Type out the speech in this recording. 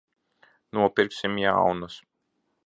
Nopirksim jaunas.